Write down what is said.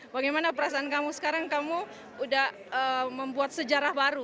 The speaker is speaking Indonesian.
bagaimana perasaan kamu sekarang kamu udah membuat sejarah baru